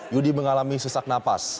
yudi mengalami sesak nafas